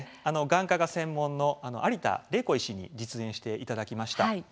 眼科が専門の有田玲子医師に実演をしていただきました。